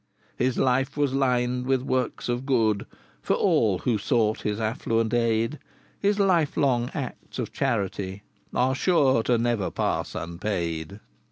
III. His life was lined with works of good For all who sought his affluent aid; His life long acts of charity Are sure to never pass unpaid.